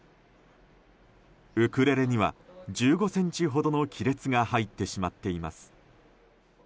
ウクレレには１５ｃｍほどの亀裂が入ってしまっています。